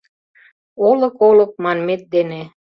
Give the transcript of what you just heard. «Олык, олык» манмет дене